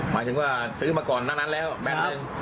หมายถึงว่าซื้อมาก่อนหน้านั้นแล้วแบตนึง